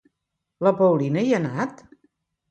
La Paulina hi ha anat?